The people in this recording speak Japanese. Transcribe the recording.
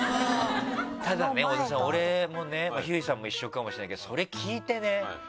ただね小田さん俺もねひゅーいさんも一緒かもしれないけどそれ聞いてね